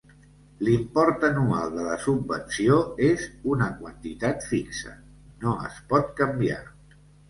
L'import anual de la subvenció és una quantitat fixa, no es pot canviar.